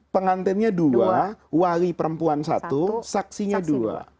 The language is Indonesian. pengantennya dua wali perempuan satu saksinya dua